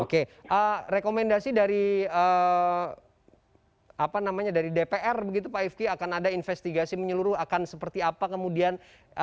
oke rekomendasi dari dpr begitu pak ifki akan ada investigasi menyeluruh akan seperti apa kemudian